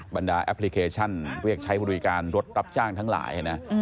บรรดาแอปพลิเคชันเรียกใช้บริการรถรับจ้างทั้งหลายนะ